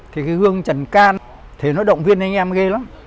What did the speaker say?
thì cái gương trần can thì nó động viên anh em ghê lắm